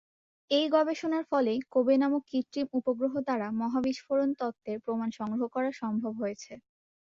এই গবেষণার ফলেই কোবে নামক কৃত্রিম উপগ্রহ দ্বারা মহা বিস্ফোরণ তত্ত্বের প্রমাণ সংগ্রহ করা সম্ভব হয়েছে।